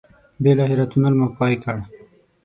بالاخره تونل مو پای کړ.